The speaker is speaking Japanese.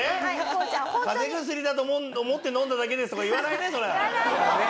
「風邪薬だと思って飲んだだけです」とか言わないね？